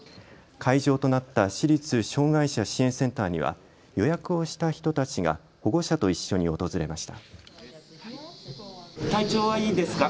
会場となった市立障害者支援センターには予約をした人たちが保護者と一緒に訪れました。